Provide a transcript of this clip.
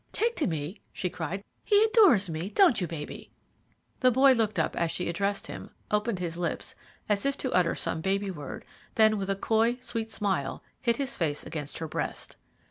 "Take to me!" she cried. "He adores me; don't you, baby?" The boy looked up as she addressed him, opened his lips, as if to utter some baby word, then, with a coy, sweet smile, hid his face against her breast.